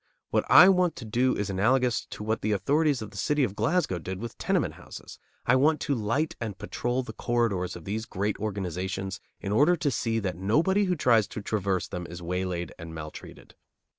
What I want to do is analogous to what the authorities of the city of Glasgow did with tenement houses. I want to light and patrol the corridors of these great organizations in order to see that nobody who tries to traverse them is waylaid and maltreated.